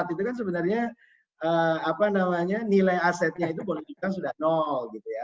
itu kan sebenarnya nilai asetnya itu boleh dibilang sudah nol gitu ya